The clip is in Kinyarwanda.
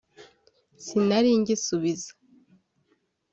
sinari ngisubiza